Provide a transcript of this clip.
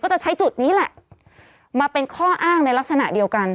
จะใช้จุดนี้แหละมาเป็นข้ออ้างในลักษณะเดียวกัน